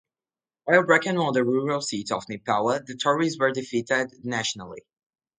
While Bracken won the rural seat of Neepawa, the Tories were defeated nationally.